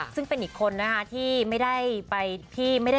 ซึ่งเป็นอีกคนนะคะที่ไม่ได้ไปทำ